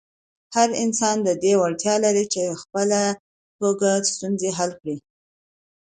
هر انسان د دې وړتیا لري چې په خلاقه توګه ستونزې حل کړي.